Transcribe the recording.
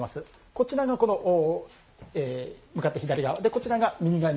こちらが向かって左側こちらが右側に。